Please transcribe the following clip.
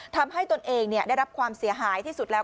ทำให้ตนเองเนี่ยได้รับความเสียหายที่สุดแล้ว